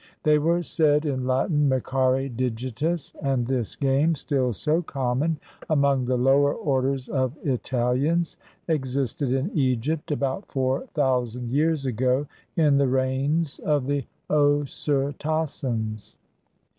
They were said in Latin, micare digitis, and this game, still so common among the lower orders of ItaHans, existed in Egypt, about four thousand years ago, in the reigns of the Osirtasens.